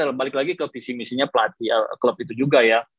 balik lagi ke visi misinya pelatih klub itu juga ya